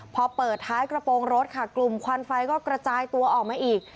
พอเปิดท้ายกระโปรงรถค่ะกลุ่มควันไฟก็กระจายตัวออกมาอีก